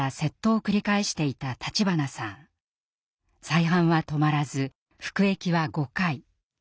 再犯は止まらず服役は５回。